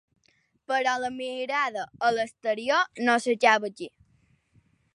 Però la mirada a l’exterior no s’acaba aquí.